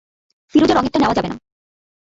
ফিরোজা রঙের টা নেওয়া যাবে না।